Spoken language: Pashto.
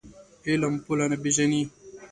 علم پوله نه پېژني.